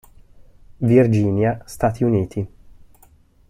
Virginia, Stati Uniti.